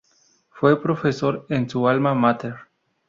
Fue profesor en su alma máter.